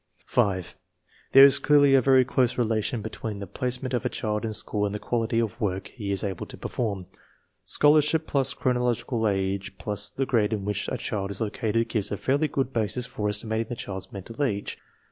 5. There is clearly a very close relation between the place ment of a child in school and the quality of work he is able to perform. Scholarship plus chronological age plus the grade in which a child is located gives a fairly good basis for estimating the child's mental age.